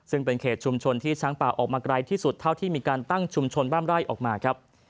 ซึ่งเป็นเขตชุมชนที่ช้างป่าออกมาไกลที่สุดเท่าที่มีการตั้งชุมชนบ้านไร่ออกมาครับ